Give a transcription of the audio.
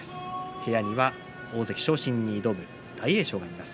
部屋には大関昇進を目指す大栄翔がいます。